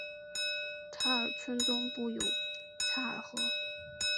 查尔村东部有嚓尔河。